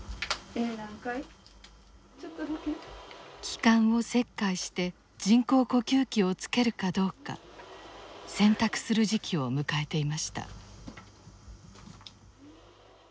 気管を切開して人工呼吸器をつけるかどうか選択する時期を迎えていました。